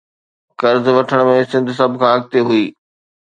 قرض وٺڻ ۾ سنڌ سڀ کان اڳتي هئي